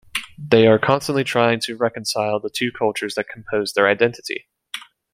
They are constantly trying to reconcile the two cultures that compose their identity.